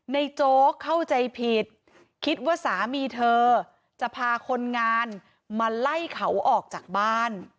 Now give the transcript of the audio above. โจ๊กเข้าใจผิดคิดว่าสามีเธอจะพาคนงานมาไล่เขาออกจากบ้าน